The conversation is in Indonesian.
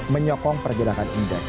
menyokong pergerakan indeks